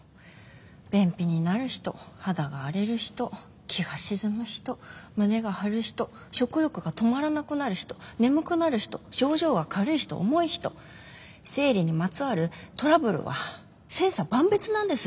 便秘になる人肌が荒れる人気が沈む人胸が張る人食欲が止まらなくなる人眠くなる人症状が軽い人重い人生理にまつわるトラブルは千差万別なんです。